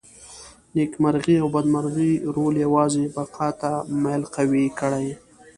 نېکمرغي او بدمرغي رول یوازې بقا ته میل قوي کړي.